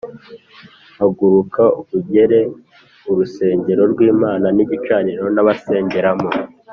“Haguruka ugere urusengero rw’Imana n’igicaniro n’abasengeramo,